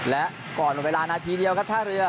และก่อนหมดเวลานาทีเดียวครับท่าเรือ